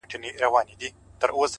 هره ورځ د بدلون نوی امکان لري,